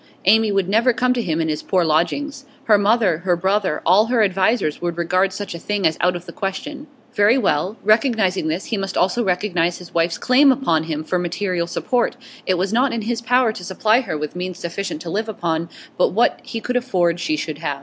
Amy would never come to him in his poor lodgings; her mother, her brother, all her advisers would regard such a thing as out of the question. Very well; recognising this, he must also recognise his wife's claim upon him for material support. It was not in his power to supply her with means sufficient to live upon, but what he could afford she should have.